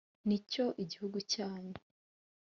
ngicyo igihugu cyanyu.